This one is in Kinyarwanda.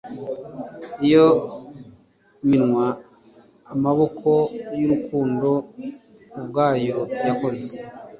iyo minwa amaboko y'urukundo ubwayo yakoze